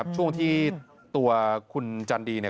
ช่วงที่ตัวคุณจันดีเนี่ย